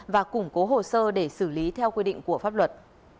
và củng cố hồ sơ để xử lý theo quy định của pháp luật